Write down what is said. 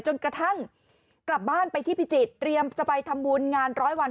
จนกระทั่งกลับบ้านไปที่พิจิตรเตรียมจะไปทำบุญงานร้อยวัน